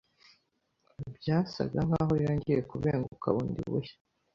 byasaga nkaho yongeye kubenguka bundi bushya.